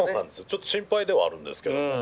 ちょっと心配ではあるんですけども。